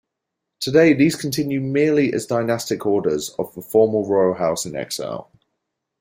Today these continue merely as dynastic orders of the former Royal house in exile.